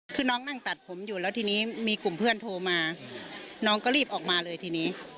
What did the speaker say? คือน้องนั่งตัดผมอยู่แล้วทีนี้มีกลุ่มเพื่อนโทรมาน้องก็รีบออกมาเลยทีนี้